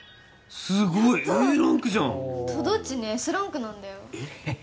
すごいＡランクじゃんやったとどっちねＳランクなんだよヘヘヘ